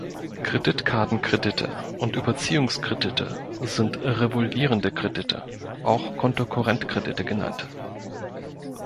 Kreditkartenkredite und Überziehungskredite sind revolvierende Kredite, auch Kontokorrentkredite genannt.